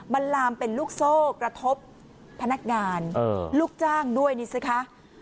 มันลามเป็นลูกโซ่กระทบพนักงานลูกจ้างด้วยนี่สิคะ